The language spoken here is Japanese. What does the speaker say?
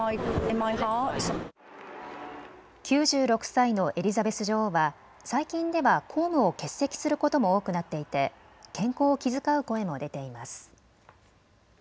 ９６歳のエリザベス女王は最近では公務を欠席することも多くなっていて健康を気遣う声も出ています。